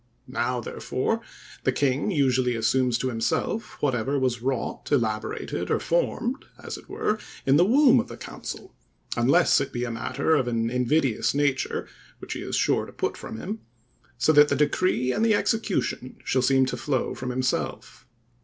Now, therefore, the king usually assumes to himself whatever was wrought, elaborated, or formed, as it were, in the womb of the council (unless it be a matter of an invidious nature, which he is sure to put from him), so that the decree and the execution shall seem to flow from himself.